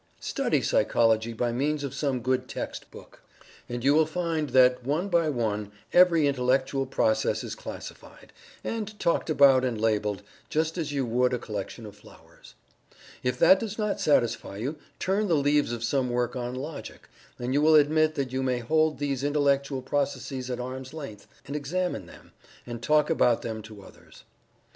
Study Psychology by means of some good text book, and you will find that one by one every intellectual process is classified, and talked about and labeled, just as you would a collection of flowers. If that does not satisfy you, turn the leaves of some work on Logic, and you will admit that you may hold these intellectual processes at arm's length and examine them, and talk about them to others.